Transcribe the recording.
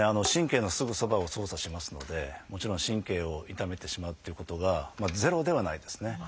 神経のすぐそばを操作しますのでもちろん神経を傷めてしまうっていうことがゼロではないですね。